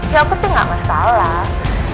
ya pasti gak masalah